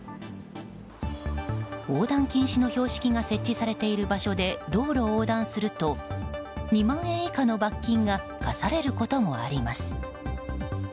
横断禁止の標識が設置されている場所で道路を横断すると２万円以下の罰金が科されることもあります。